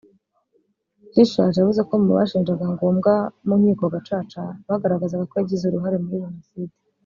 Fischels yavuze ko mu bashinjaga Ngombwa mu nkiko Gacaca bagaragazaga ko yagize uruhare muri Jenoside